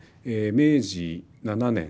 明治７年。